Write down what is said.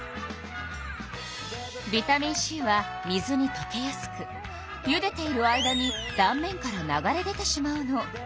ビタミンＣは水にとけやすくゆでている間にだん面から流れ出てしまうの。